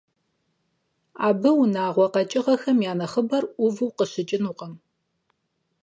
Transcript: Абы унагъуэ къэкӀыгъэхэм я нэхъыбэр Ӏуву къыщыкӀынукъым.